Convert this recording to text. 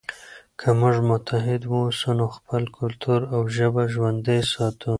که موږ متحد واوسو نو خپل کلتور او ژبه ژوندی ساتو.